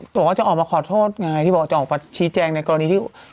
บอกว่าจะออกมาขอโทษการฟัดชี้จางในกรณีที่